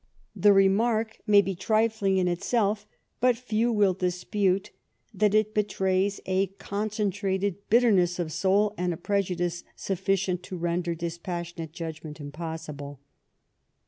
The remark may be trifling in itself, but few will dispute that it betrays a concentrated bitterness of soul and a prejudice sufficient to render dispassionate judgment impossible.